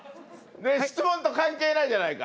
質問と関係ないじゃないか！